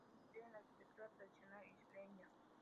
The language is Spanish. Su estilo se inspira en la arquitectura tradicional isleña.